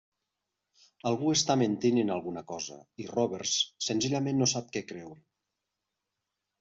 Algú està mentint en alguna cosa, i Roberts senzillament no sap què creure.